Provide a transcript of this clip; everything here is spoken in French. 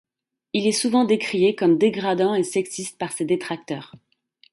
Il est souvent décrié comme dégradant et sexiste par ses détracteurs.